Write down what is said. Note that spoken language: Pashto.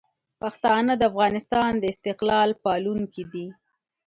پښتانه د افغانستان د استقلال پالونکي دي.